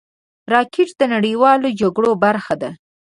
راکټ د نړیوالو جګړو برخه ده